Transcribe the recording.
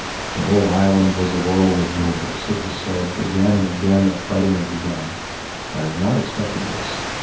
The whole island was awhirl with rumours; it was said, again and again, that fighting had begun. I had not expected this.